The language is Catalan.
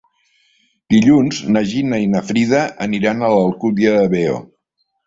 Dilluns na Gina i na Frida aniran a l'Alcúdia de Veo.